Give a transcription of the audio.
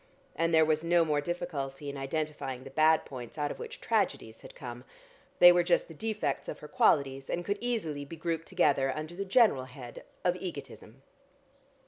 And there was no more difficulty in identifying the bad points, out of which tragedies had come. They were just the defects of her qualities, and could easily be grouped together under the general head of egotism.